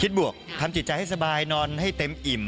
บวกทำจิตใจให้สบายนอนให้เต็มอิ่ม